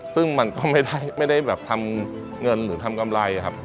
ซึ่งมันก็ไม่ได้แบบทำเงินหรือทำกำไรครับ